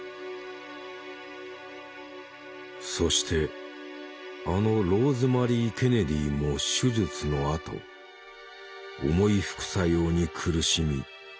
そしてあのローズマリー・ケネディも手術のあと重い副作用に苦しみ養護施設に入った。